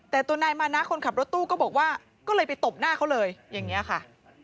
แต่ตัวนายมานะคนขับรถตู้ก็บอกว่าก็เลยไปตบหน้าเขาเลยอย่างนี้ค่ะ